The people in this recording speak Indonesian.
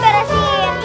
mereka kabur lagi